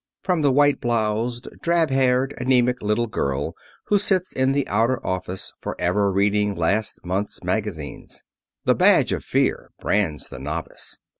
from the white bloused, drab haired, anæmic little girl who sits in the outer office forever reading last month's magazines. The badge of fear brands the novice.